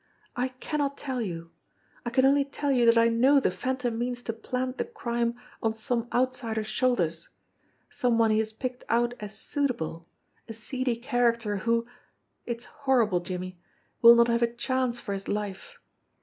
I cannot tell you. I can only tell you that I know the Phantom means to plant the crime on some out sider's shoulders, some one he has picked out as suitable, a seedy character who it's horrible, Jimmie! will not have a chance for his life.